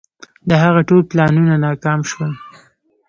د هغه ټول پلانونه ناکام شول.